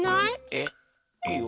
えいいよ。